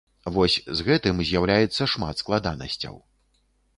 Вось з гэтым з'яўляецца шмат складанасцяў.